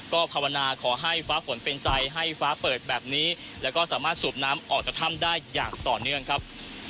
ก็ภาวนาขอให้ฟ้าฝนเป็นใจให้ฟ้าเปิดแบบนี้แล้วก็สามารถสูบน้ำออกจากถ้ำได้อย่างต่อเนื่องครับ